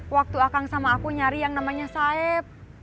waktu akang sama aku nyari yang namanya saib